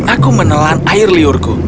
aku menelan air liurku